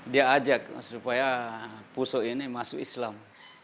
dia ajak supaya puso ini masuk islam